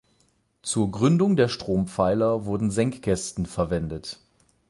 Zur Gründung der Strompfeiler wurden Senkkästen verwendet.